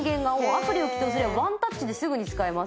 「アプリを起動すればワンタッチですぐに使えます」